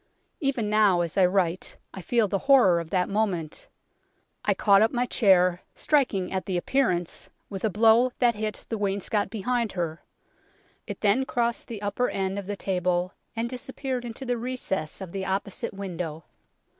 " Even now as I write I feel the horror of that moment. I caught up my chair, striking at the ' appearance ' with a blow that hit the wainscot behind her. It then crossed the upper end of the table and disappeared in the recess of the opposite window.